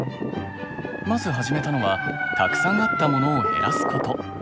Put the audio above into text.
まず始めたのはたくさんあったモノを減らすこと。